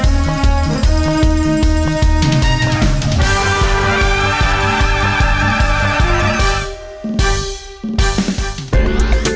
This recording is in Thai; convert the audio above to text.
โปรดติดตามตอนต่อไป